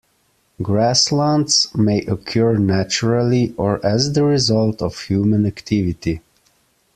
Grasslands may occur naturally or as the result of human activity.